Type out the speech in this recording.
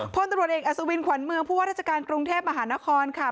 พลตรวจเอกอัศวินขวัญเมืองผู้ว่าราชการกรุงเทพมหานครค่ะ